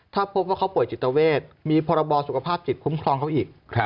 ถ้าพบว่าเขาป่วยจิตเวทมีพรบสุขภาพจิตคุ้มครองเขาอีก